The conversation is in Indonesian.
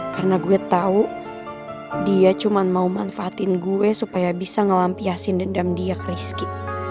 karena gue tahu dia cuma mau manfaatin gue supaya bisa ngelampiasin dendam dia ke rizky